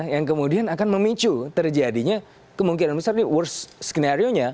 yang kemudian akan memicu terjadinya kemungkinan besar worst scenarionya